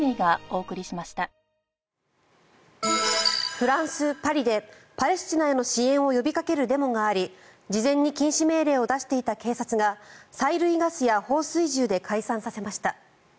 フランス・パリでパレスチナへの支援を呼びかけるデモがあり事前に禁止命令を出していた警察が催涙ガスや放水銃で解散させました。